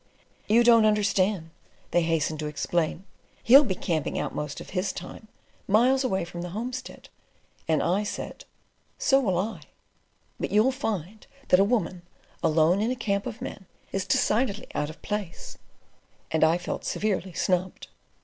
"You don't understand," they hastened to explain. "He'll be camping out most of his time, miles away from the homestead," and I said, "So will I." "So you think," they corrected. "But you'll find that a woman alone in a camp of men is decidedly out of place"; and I felt severely snubbed.